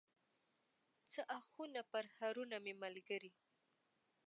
څه آهونه، پرهرونه مې ملګري